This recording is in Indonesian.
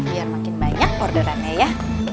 biar makin banyak orderannya ya